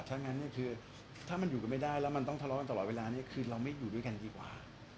ถ้างั้นเนี่ยคือถ้ามันอยู่กันไม่ได้แล้วมันต้องทะเลาะกันตลอดเวลานี่คือเราไม่อยู่ด้วยกันดีกว่า